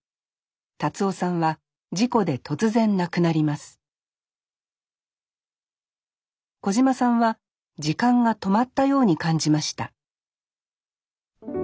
達男さんは事故で突然亡くなります小島さんは時間が止まったように感じました